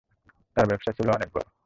তার ব্যবসা ছিল অনেক বড়ো।